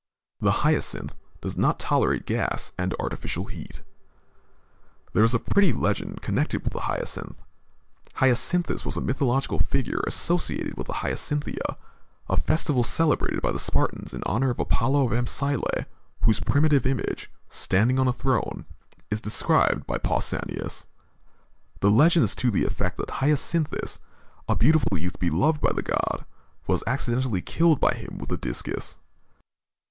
The hyacinth does not tolerate gas and artificial heat. There is a pretty legend connected with the hyacinth. Hyacinthus was a mythological figure associated with the hyacinthia, a festival celebrated by the Spartans in honor of Apollo of Amyclæ, whose primitive image, standing on a throne, is described by Pausanias. The legend is to the effect that Hyacinthus, a beautiful youth beloved by the god, was accidentally killed by him with a discus.